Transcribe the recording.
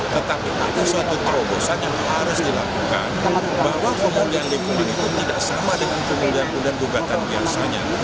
tetapi ada suatu terobosan yang harus dilakukan bahwa pemulihan lingkungan itu tidak sama dengan kemudian gugatan biasanya